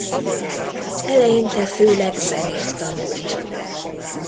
Eleinte főleg zenét tanult.